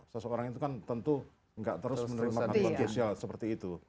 seseorang itu kan tentu nggak terus menerima bantuan sosial seperti itu